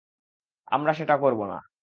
আমরা সেটা করবো না।